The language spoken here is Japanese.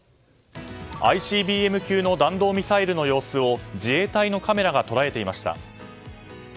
ＩＣＢＭ級の弾道ミサイルを自衛隊のカメラが捉えていました。